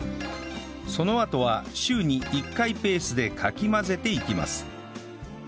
そのあとは週に１回ペースでかき混ぜていきます